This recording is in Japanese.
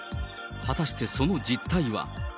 果たしてその実態は。